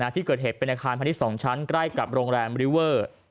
ที่เกิดเหตุเป็นอาคารพาณิชย์๒ชั้นใกล้กับโรงแรมริเวอร์